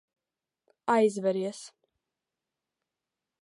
Aizveries.